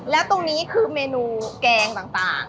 แล้วตรงนี้คือเมนูแกงต่าง